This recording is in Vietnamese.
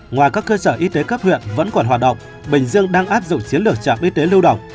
ngoài các cơ sở y tế cấp huyện vẫn còn hoạt động bình dương đang áp dụng chiến lược trạm y tế lưu động